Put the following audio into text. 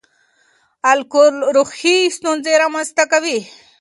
الکول روحي ستونزې رامنځ ته کوي.